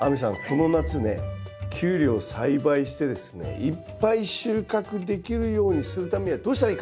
この夏ねキュウリを栽培してですねいっぱい収穫できるようにするためにはどうしたらいいか？